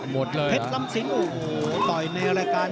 หมดเลยเหรอเผ็ดลำสิงโอ้โหต่อยในรายการ